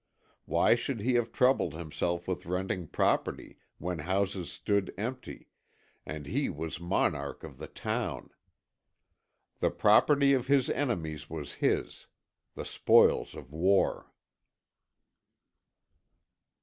Why should he have troubled himself with renting property when houses stood empty, and he was monarch of the town! The property of his enemies was his the spoils of war.